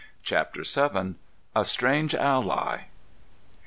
CHAPTER VII. A STRANGE ALLY.